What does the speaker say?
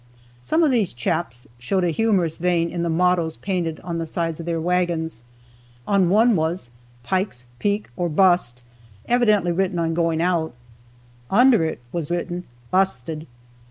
Some of these chaps showed a humorous vein in the mottoes painted on the sides of their wagons. On one was "Pike's Peak or bust," evidently written on going out; under it was written, "Busted."